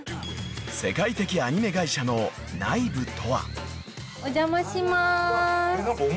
［世界的アニメ会社の内部とは？］お邪魔します。